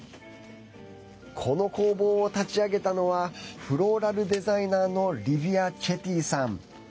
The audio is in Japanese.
この工房を立ち上げたのはフローラルデザイナーのリヴィア・チェティさん。